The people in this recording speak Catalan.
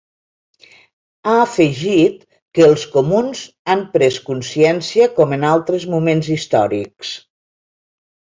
Ha afegit que els comuns han pres consciència com en altres moments històrics.